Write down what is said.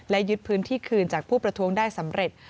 และยึดพื้นที่คืนจากผู้ประท้วงได้สำเร็จ